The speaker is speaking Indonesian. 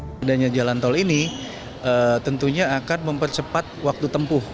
adanya jalan tol ini tentunya akan mempercepat waktu tempuh